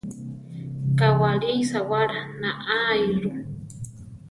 Kawáli sawála naáiru.